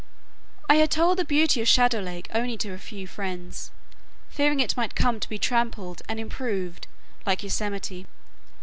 I had told the beauty of Shadow Lake only to a few friends, fearing it might come to be trampled and "improved" like Yosemite.